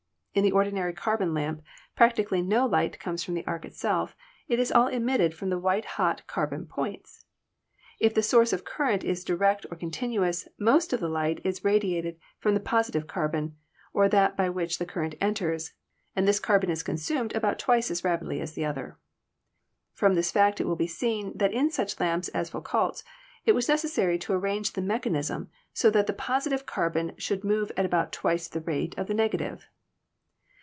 In the ordinary carbon lamp practically no light comes from the arc itself; it is all emitted from the white hot carbon points. If the source of current is direct or continuous, most of the light is radiated from the positive carbon, or that by which the current enters, and this carbon is consumed about twice as rapidly as the other. From this fact it will be seen that in such lamps as Foucault's it was necessary to arrange the mechanism so that the positive carbon should move at about twice the rate of the negative.